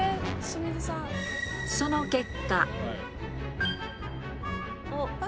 その結果。